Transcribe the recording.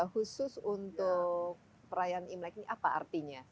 khusus untuk perayaan imlek ini apa artinya